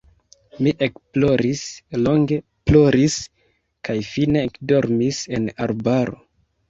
Mi ekploris, longe ploris kaj fine ekdormis en arbaro.